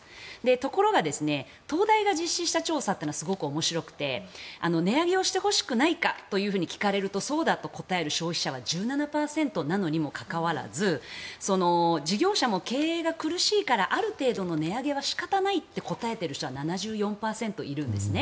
ところが東大が実施した調査というのはすごく面白くて値上げをしてほしくないかと聞かれるとそうだと答える消費者は１７％なのにもかかわらず事業者も経営が苦しいからある程度の値上げは仕方ないと答えている人は７４％いるんです。